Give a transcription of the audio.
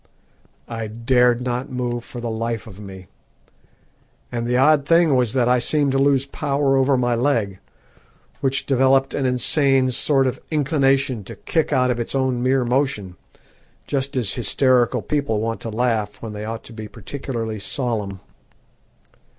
I dared not move for the life of me, and the odd thing was that I seemed to lose power over my leg, which developed an insane sort of inclination to kick out of its own mere motion just as hysterical people want to laugh when they ought to be particularly solemn.